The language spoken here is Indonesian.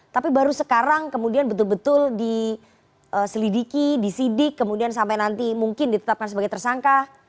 tapi baru sekarang kemudian betul betul diselidiki disidik kemudian sampai nanti mungkin ditetapkan sebagai tersangka